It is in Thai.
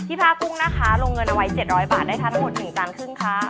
ผ้ากุ้งนะคะลงเงินเอาไว้๗๐๐บาทได้ทานทั้งหมด๑จานครึ่งค่ะ